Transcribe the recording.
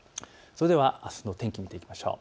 それではあすの天気を見ていきましょう。